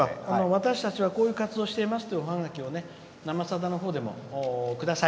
私たちはこういう活動をしていますというおハガキを「生さだ」のほうでもください。